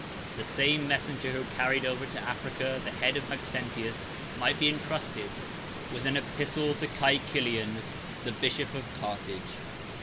The same messenger who carried over to Africa the head of Maxentius, might be intrusted with an epistle to Cæcilian, bishop of Carthage.